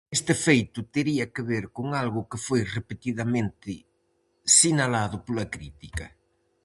Este feito tería que ver con algo que foi repetidamente sinalado pola crítica.